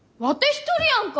一人やんか！